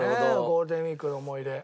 ゴールデンウィークの思い出。